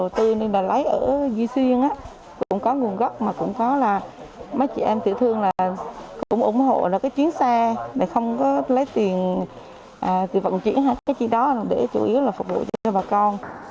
tư nhân đã lái ở duy xuyên cũng có nguồn gốc mà cũng có là mấy chị em tự thương là cũng ủng hộ cái chuyến xe để không có lấy tiền từ vận chuyển hay cái gì đó để chủ yếu là phục vụ cho bà con